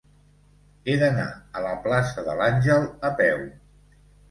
He d'anar a la plaça de l'Àngel a peu.